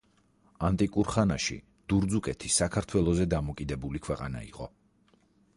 ანტიკურ ხანაში დურძუკეთი საქართველოზე დამოკიდებული ქვეყანა იყო.